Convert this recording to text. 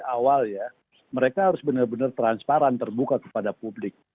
awal ya mereka harus benar benar transparan terbuka kepada publik